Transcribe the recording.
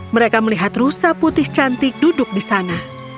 mereka melihat rusa putih cantik duduk di sana